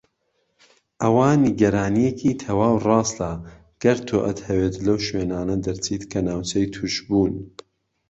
ئەوە نیگەرانیەکی تەواو ڕاستەگەر تۆ ئەتهەویت لەو شوێنانە دەرچیت کە ناوچەی توشبوون.